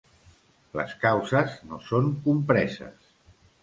Les causes no són compreses.